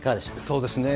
そうですね。